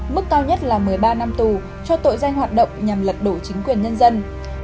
mức cao nhất là một mươi ba năm tù cho tội doanh hoạt động nhằm lật đổ chính quyền nhân dân